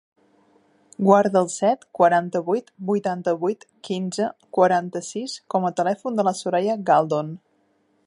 Guarda el set, quaranta-vuit, vuitanta-vuit, quinze, quaranta-sis com a telèfon de la Soraya Galdon.